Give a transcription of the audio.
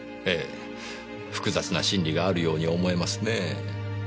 ええ複雑な心理があるように思えますねぇ。